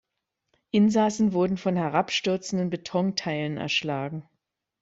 Insassen wurden von herabstürzenden Betonteilen erschlagen.